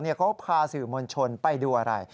เขาพาสื่อมวลชนไปดูอะไร